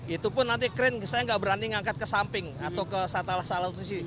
itu pun nanti kren saya nggak berani ngangkat ke samping atau ke satalah salah satu sisi